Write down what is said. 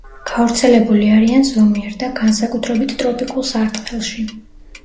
გავრცელებული არიან ზომიერ და განსაკუთრებით ტროპიკულ სარტყელში.